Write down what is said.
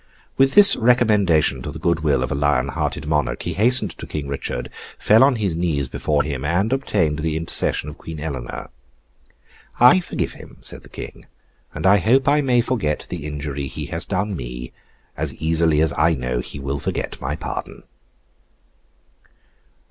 With this recommendation to the good will of a lion hearted monarch, he hastened to King Richard, fell on his knees before him, and obtained the intercession of Queen Eleanor. 'I forgive him,' said the King, 'and I hope I may forget the injury he has done me, as easily as I know he will forget my pardon.